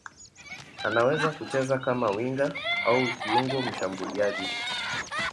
Anaweza kucheza kama winga au kiungo mshambuliaji.